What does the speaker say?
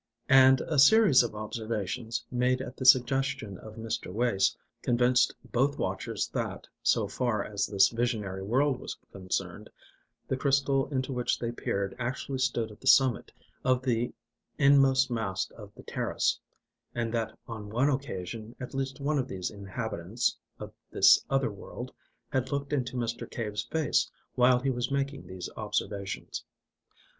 And a series of observations, made at the suggestion of Mr. Wace, convinced both watchers that, so far as this visionary world was concerned, the crystal into which they peered actually stood at the summit of the endmost mast on the terrace, and that on one occasion at least one of these inhabitants of this other world had looked into Mr. Cave's face while he was making these observations.